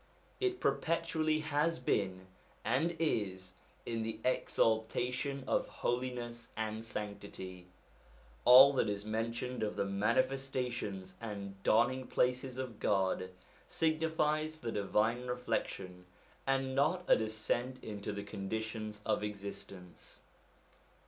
It perpetually has been, and is, in the exaltation of holiness and sanctity. All that is mentioned of the Manifestations and Dawning places of God signifies the divine reflec tion, and not a descent into the conditions of existence.